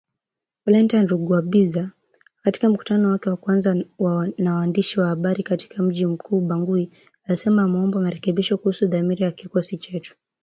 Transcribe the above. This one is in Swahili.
Valentine Rugwabiza katika mkutano wake wa kwanza na waandishi wa habari katika mji mkuu Bangui alisema ameomba marekebisho kuhusu dhamira ya kikosi chetu.